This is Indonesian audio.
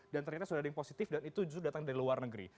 dan ternyata sudah ada yang positif dan itu datang dari luar negeri